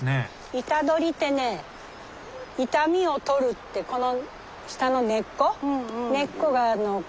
イタドリってね痛みを取るってこの下の根っこが漢方薬なのね。